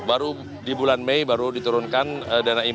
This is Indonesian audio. baru di bulan mei baru diturunkan dana impor